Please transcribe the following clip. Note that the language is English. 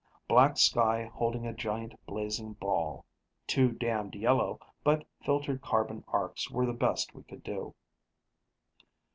Black sky holding a giant, blazing ball. Too damned yellow, but filtered carbon arcs were the best we could do.